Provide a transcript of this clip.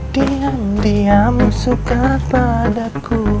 dinam diam suka padaku